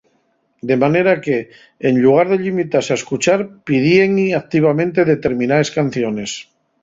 De manera que, en llugar de llimitase a escuchar, pidíen-y activamente determinades canciones.